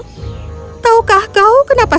taukah kau kenapa sinar matahari tidak bisa menemukanmu